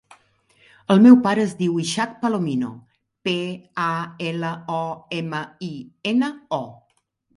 El meu pare es diu Ishaq Palomino: pe, a, ela, o, ema, i, ena, o.